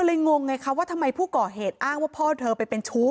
งงไงคะว่าทำไมผู้ก่อเหตุอ้างว่าพ่อเธอไปเป็นชู้